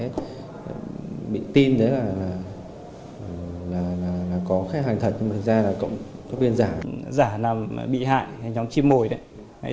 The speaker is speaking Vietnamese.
giả là bị hại nhóm chim mồi